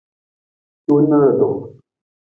Hiwung na lutu.